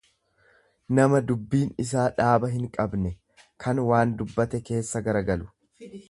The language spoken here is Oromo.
nama dubbiin isaa dhaaba hinqabne, kan waan dubbate keessa garagalu.